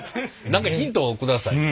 何かヒントを下さい。